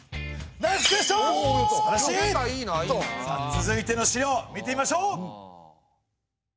さあ続いての資料見てみましょう！